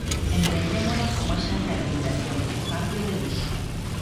Entendémola como esa rehabilitación, co cambio de uso.